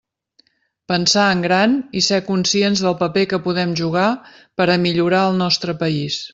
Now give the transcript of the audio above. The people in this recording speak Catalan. Pensar en gran i ser conscients del paper que podem jugar per a millorar el nostre país.